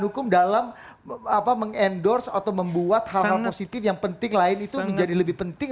hukum dalam mengendorse atau membuat hal hal positif yang penting lain itu menjadi lebih penting